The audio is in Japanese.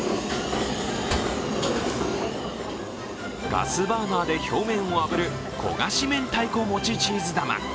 ガスバーナーで表面をあぶる焦がし明太子もちチーズ玉。